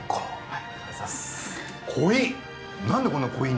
はい。